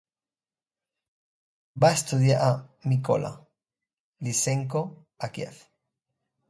Va estudiar amb Mykola Lysenko a Kiev.